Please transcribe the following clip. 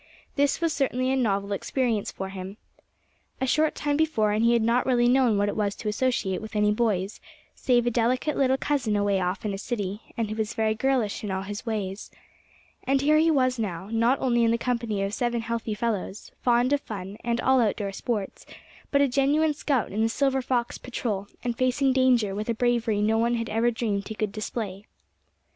This was certainly a novel experience for him. A short time before, and he had not really known what it was to associate with any boys save a delicate little cousin away off in a city, and who was very girlish in all his ways. And here he was now, not only in the company of seven healthy fellows, fond of fun, and all outdoor sports; but a genuine scout in the Silver Fox Patrol, and facing danger with a bravery no one had ever dreamed he could display.